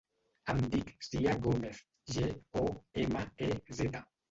Em dic Sia Gomez: ge, o, ema, e, zeta.